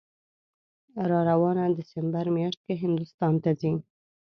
راروانه دسامبر میاشت کې هندوستان ته ځي